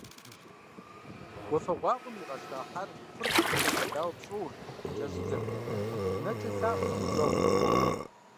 Уафэгъуаугъуэм игъэщта хьэр, пырхъуэм къытелъэдауэ пщӏоурт, кӏэзызырт, нэкӏэ лъаӏуэрт гущӏэгъу лъыхъуэу.